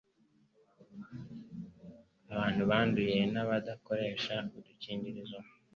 Abantu banduye nabadakoresha udukingirizo